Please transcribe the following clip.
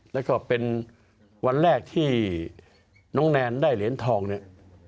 แล้วก็เป็นวันแรกที่น้องแนนได้เหรียญทองเนี่ย